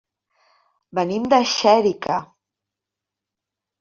Venim de Xèrica.